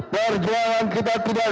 perjuangan kita tidak